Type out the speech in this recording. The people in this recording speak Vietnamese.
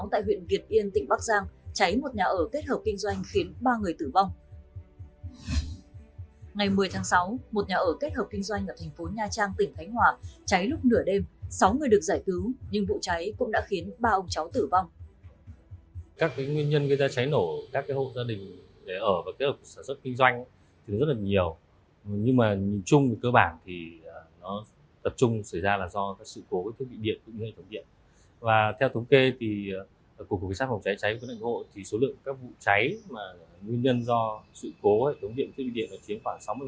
thì số lượng các vụ cháy nguyên nhân do sự cố với thiết bị điện chiếm khoảng sáu mươi